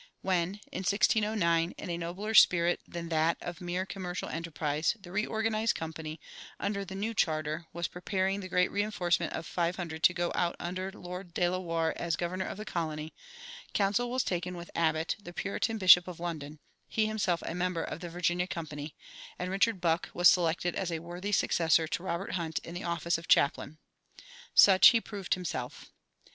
When, in 1609, in a nobler spirit than that of mere commercial enterprise, the reorganized Company, under the new charter, was preparing the great reinforcement of five hundred to go out under Lord de la Warr as governor of the colony, counsel was taken with Abbot, the Puritan Bishop of London, himself a member of the Virginia Company, and Richard Buck was selected as a worthy successor to Robert Hunt in the office of chaplain. Such he proved himself.